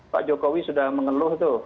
pak jokowi sudah mengeluh tuh